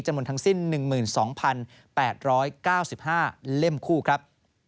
จำนวนทั้งสิ้น๑๒๘๙๕เล่มคู่ครับ